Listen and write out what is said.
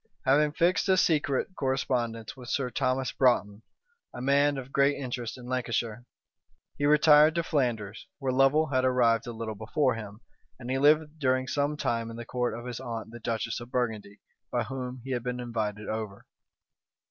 Having fixed a secret correspondence with Sir Thomas Broughton, a man of great interest in Lancashire, he retired to Flanders, where Lovel had arrived a little before him; and he lived during some time in the court of his aunt the duchess of Burgundy, by whom he had been invited over.